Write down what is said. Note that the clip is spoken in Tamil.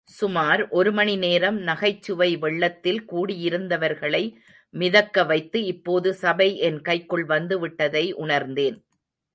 சுமார் ஒரு மணிநேரம் நகைச்சுவை வெள்ளத்தில் கூடியிருந்தவர்களை மிதக்க வைத்து இப்போது சபை என் கைக்குள் வந்துவிட்டதை உணர்ந்தேன்.